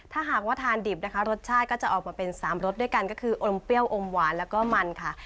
ถ้าหากว่าทานดิบนะคะรสชาติก็จะออกมาเป็น๓รสด้วยกันก็คืออมเปรี้ยวอมหวานแล้วก็มันค่ะ